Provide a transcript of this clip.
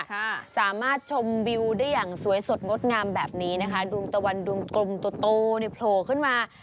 ค่ะสามารถชมวิวได้อย่างสวยสดงดงามแบบนี้นะคะดวงตะวันดวงกลมโตโตนี่โผล่ขึ้นมา